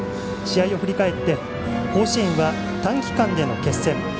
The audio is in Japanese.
試合を振り返って甲子園は短期間での決戦。